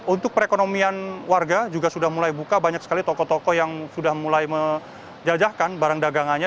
untuk perekonomian warga juga sudah mulai buka banyak sekali toko toko yang sudah mulai menjajahkan barang dagangannya